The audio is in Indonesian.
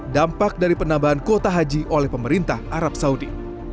dampak dari penambahan kuota haji oleh pemerintah arab saudi